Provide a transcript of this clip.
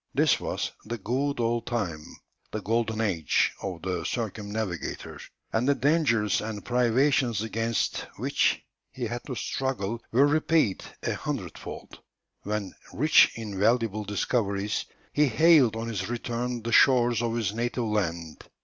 This was 'the good old time,' the golden age of the circumnavigator, and the dangers and privations against which he had to struggle were repaid a hundredfold, when, rich in valuable discoveries, he hailed on his return the shores of his native land.